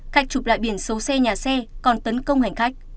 khách chụp lại biển xấu xe nhà xe còn tấn công hành khách